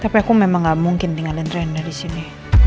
tapi aku memang gak mungkin tinggalin draine di sini